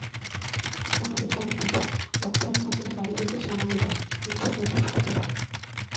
তাহদের বাড়ি পৃথক-লক্ষ্মণ মহাজনের বাড়ি হইতে সামান্য দূরে, কিন্তু মধ্যে পুকুরটা পড়ে।